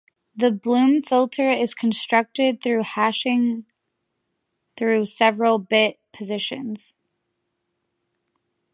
The bloom filter is constructed through hashing through several bit positions.